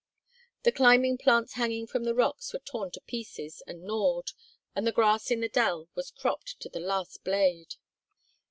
The climbing plants hanging from the rocks were torn to pieces and gnawed, and the grass in the dell was cropped to the last blade.